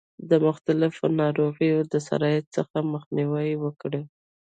د مختلفو ناروغیو د سرایت څخه مخنیوی وکړي.